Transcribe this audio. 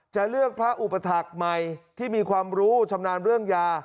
จะเลือกพระอุปถักษ์ใหม่ที่มีความรู้ชำนาญเรื่องยา